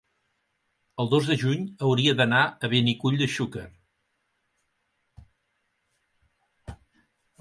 El dos de juny hauria d'anar a Benicull de Xúquer.